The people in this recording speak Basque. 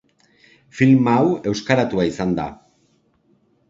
Film hau euskaratua izan da.